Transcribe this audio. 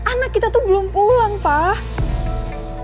anak kita tuh belum pulang pak